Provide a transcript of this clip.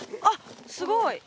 あっすごい。